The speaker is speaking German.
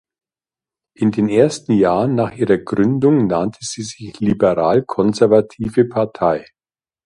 In den ersten Jahren nach ihrer Gründung nannte sie sich Liberal-konservative Partei.